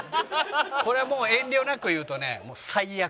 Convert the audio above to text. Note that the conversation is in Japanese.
これはもう遠慮なく言うとね。